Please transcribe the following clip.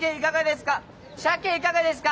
鮭いかがですか！